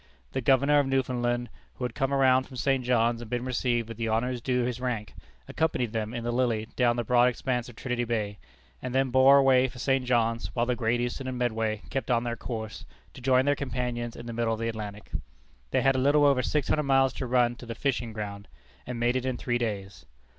The Governor of Newfoundland, who had come around from St. John's and been received with the honors due his rank, accompanied them in the Lily down the broad expanse of Trinity Bay, and then bore away for St. John's while the Great Eastern and Medway kept on their course to join their companions in the middle of the Atlantic. They had a little over six hundred miles to run to the "fishing ground," and made it in three days.